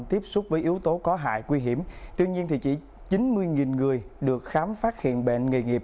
tiếp xúc với yếu tố có hại nguy hiểm tuy nhiên chỉ chín mươi người được khám phát hiện bệnh nghề nghiệp